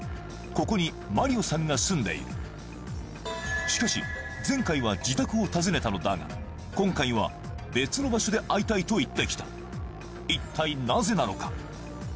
ここにマリオさんが住んでいるしかし前回は自宅を訪ねたのだが今回は別の場所で会いたいと言ってきた一体なぜなのか？